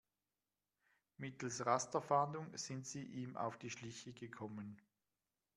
Mittels Rasterfahndung sind sie ihm auf die Schliche gekommen.